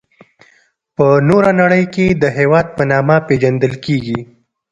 په نوره نړي کي د هیواد په نامه پيژندل کيږي.